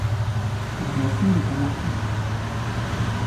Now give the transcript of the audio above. Baina ezin dut onartu.